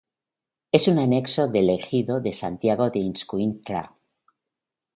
Es un anexo del Ejido de Santiago Ixcuintla.